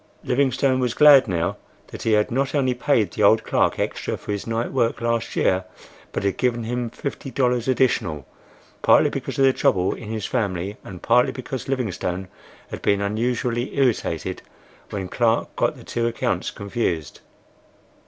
Livingstone was glad now that he had not only paid the old clerk extra for his night work last year, but had given him fifty dollars additional, partly because of the trouble in his family, and partly because Livingstone had been unusually irritated when Clark got the two accounts confused.